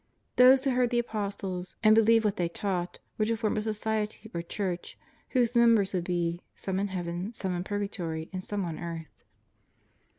Those who heard the Apostles and believed what they taught were to form a society or Church whose members would be, some in Heaven, some in Purgatory and some on earth.